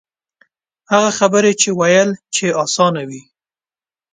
هغه خبرې چې ویل یې آسان وي.